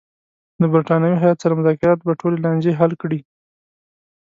د برټانوي هیات سره مذاکرات به ټولې لانجې حل کړي.